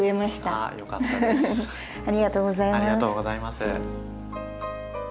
ありがとうございます。